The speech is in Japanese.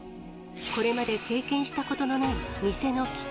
これまで経験したことのない店の危機。